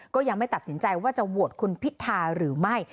ก็ยังไม่ตัดสินใจว่าจะโหวตคุณพิธาหรือไม่